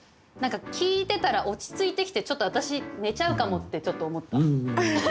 何か聴いてたら落ち着いてきてちょっと私寝ちゃうかもってちょっと思った。